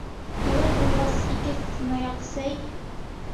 Улай булғас, ике сынаяҡ сәй